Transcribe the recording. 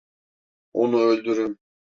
Onu öldürün.